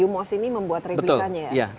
membuat replikannya ya betul